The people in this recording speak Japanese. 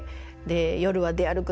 夜は出歩くな」。